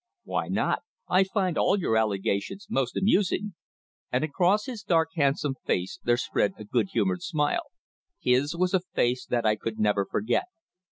"Why not? I find all your allegations most amusing," and across his dark handsome face there spread a good humoured smile. His was a face that I could never forget.